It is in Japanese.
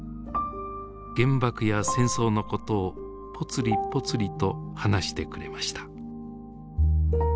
原爆や戦争のことをぽつりぽつりと話してくれました。